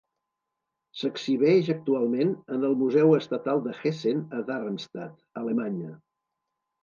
S'exhibeix actualment en el Museu Estatal de Hessen a Darmstadt, Alemanya.